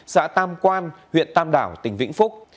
xã tam quan huyện tam đảo tỉnh vĩnh phúc